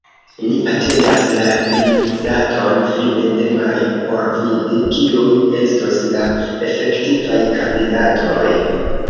Ni atendas la limdaton fine de majo por vidi, kiuj estos la efektivaj kandidatoj.